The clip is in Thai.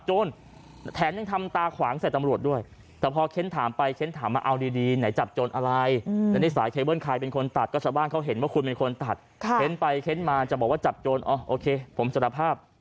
โอเคผมสถาบับว่าผมเป็นคนทำเพราะอะไร